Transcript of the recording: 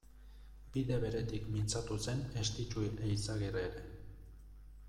Bide beretik mintzatu zen Estitxu Eizagirre ere.